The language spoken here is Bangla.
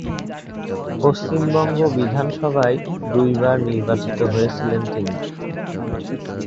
পশ্চিমবঙ্গ বিধানসভায় দুইবার নির্বাচিত হয়েছিলেন তিনি।